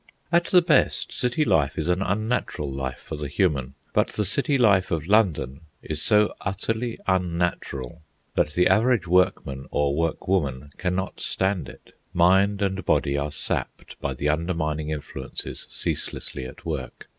At the best, city life is an unnatural life for the human; but the city life of London is so utterly unnatural that the average workman or workwoman cannot stand it. Mind and body are sapped by the undermining influences ceaselessly at work.